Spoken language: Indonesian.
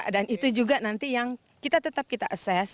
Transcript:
dan itu juga nanti yang kita tetap kita ases